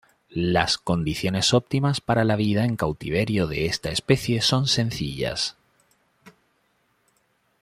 Las condiciones óptimas para la vida en cautiverio de esta especie son sencillas.